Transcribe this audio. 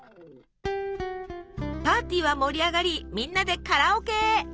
パーティーは盛り上がりみんなでカラオケへ。